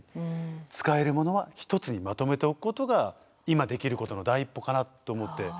使えるものは１つにまとめておくことが今できることの第一歩かなと思って。